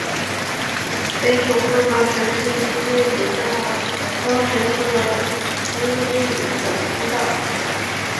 北九州短期大学是一所位于日本福冈县北九州市八幡西区的私立短期大学。